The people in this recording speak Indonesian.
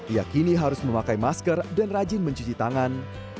ia kini harus memakai masker dan rajin mencuci tangan